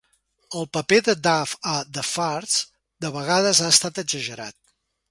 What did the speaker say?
El paper de Duff a The Fartz de vegades ha estat exagerat.